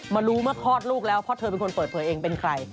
รู้เมื่อคลอดลูกแล้วเพราะเธอเป็นคนเปิดเผยเองเป็นใคร